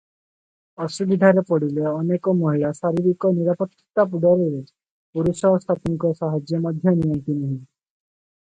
ଅସୁବିଧାରେ ପଡ଼ିଲେ ଅନେକ ମହିଳା ଶାରୀରିକ ନିରାପତ୍ତା ଡରରେ ପୁରୁଷ ସାଥୀଙ୍କ ସାହାଯ୍ୟ ମଧ୍ୟ ନିଅନ୍ତି ନାହିଁ ।